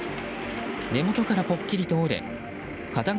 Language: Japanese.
根元からぽっきりと折れ片側